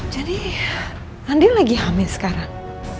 jadi andien lagi hamil sekarang